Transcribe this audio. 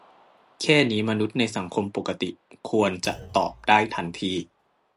แค่นี้มนุษย์ในสังคมปกติควรจะตอบได้ทันที